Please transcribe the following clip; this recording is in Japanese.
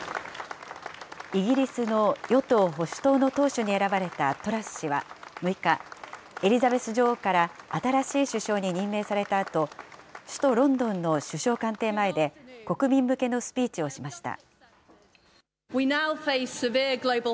イギリスの与党・保守党の党首に選ばれたトラス氏は６日、エリザベス女王から新しい首相に任命されたあと、首都ロンドンの首相官邸前で、国民向けのスピーチをしました。